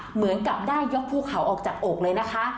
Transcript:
เหมือนกับได้ยกภูเขาออกจากอกเลยนะคะ